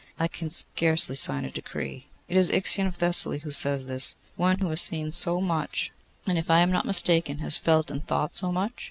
I can scarcely sign a decree.' 'Is it Ixion of Thessaly who says this; one who has seen so much, and, if I am not mistaken, has felt and thought so much?